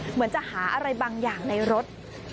เหมือนจะหาอะไรบางอย่างในรถ